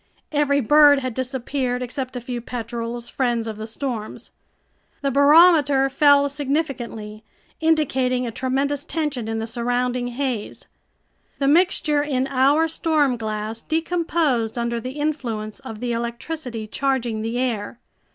Every bird had disappeared except a few petrels, friends of the storms. The barometer fell significantly, indicating a tremendous tension in the surrounding haze. The mixture in our stormglass decomposed under the influence of the electricity charging the air.